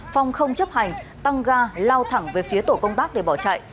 phong không chấp hành tăng ga lao thẳng về phía tổ công tác để bỏ chạy